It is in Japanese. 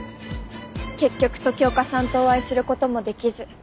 結局時岡さんとお会いする事もできず。